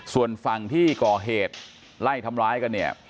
ส่วนฝั่งที่ก่อเหตุไล่ทำร้ายกันเนี่ย